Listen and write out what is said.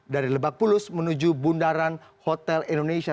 dari lebak bulus menuju bundaran hotel indonesia